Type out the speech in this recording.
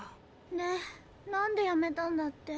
なんでやめたんだって？